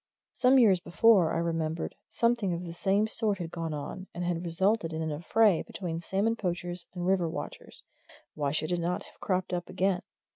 Some years before, I remembered, something of the same sort had gone on, and had resulted in an affray between salmon poachers and river watchers why should it not have cropped up again?